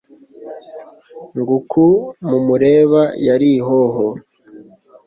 ngo uku mumureba yari ihoho